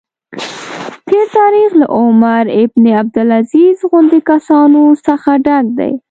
تېر تاریخ له عمر بن عبدالعزیز غوندې کسانو څخه ډک دی.